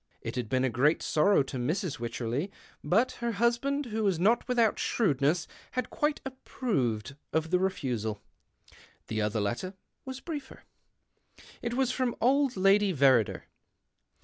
It had been a great sorrow to Mrs. Wycherley, but her husband, who was not without shrewdness, had quite approved of the refusal. The other letter was briefer. It was from old Lady Verrider.